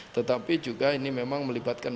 tetapi juga ini memang melibatkan